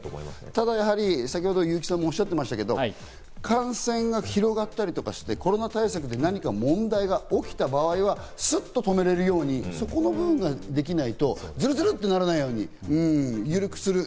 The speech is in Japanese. ただ先ほど優木さんもおっしゃっていましたが、感染が広がったりとかして、コロナ対策で何か問題が起きた場合はスッと止められるように、そこの部分ができないと、ずるずるってならないように緩くする。